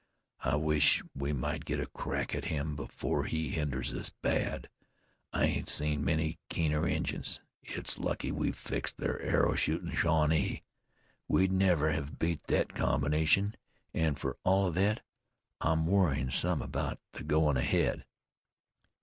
"I wish we might get a crack at him afore he hinders us bad. I ain't seen many keener Injuns. It's lucky we fixed ther arrow shootin' Shawnee. We'd never hev beat thet combination. An' fer all of thet I'm worrin' some about the goin' ahead."